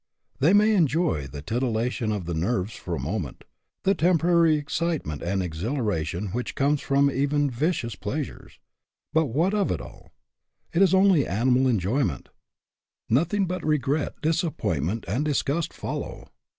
They may enjoy the titilla tion of the nerves for a moment, the temporary excitement and exhilaration which come from even vicious pleasures. But what of it all ? It is only animal enjoyment. Nothing but regret, disappointment, and disgust follow.